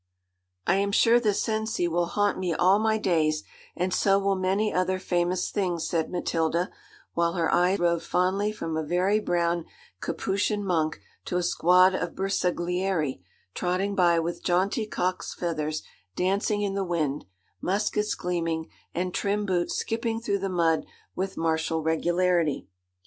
'I am sure the Cenci will haunt me all my days, and so will many other famous things,' said Matilda, while her eye roved fondly from a very brown Capuchin monk to a squad of Bersaglieri trotting by with jaunty cocks' feathers dancing in the wind, muskets gleaming, and trim boots skipping through the mud with martial regularity.